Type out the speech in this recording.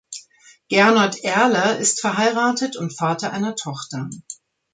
Gernot Erler ist verheiratet und Vater einer Tochter.